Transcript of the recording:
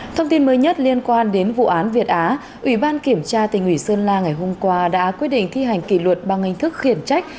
thông tin mới nhất liên quan đến vụ án việt á ủy ban kiểm tra tỉnh ủy sơn la ngày hôm qua đã quyết định thi hành kỷ luật bằng hình thức khiển trách